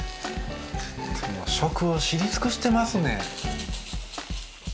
もう食を知り尽くしてますね。